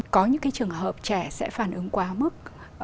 có những cái trường hợp trẻ sẽ phản ứng quá mức